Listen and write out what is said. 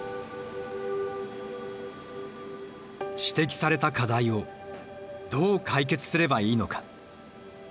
指摘された課題をどう解決すればいいのか。